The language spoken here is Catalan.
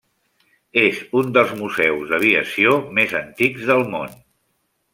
És un dels museus d'aviació més antics del món.